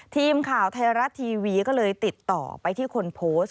ทีมข่าวไทยรัฐทีวีก็เลยติดต่อไปที่คนโพสต์